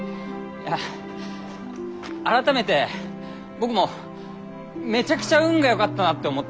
あ改めて僕もめちゃくちゃ運がよかったなって思ったよ。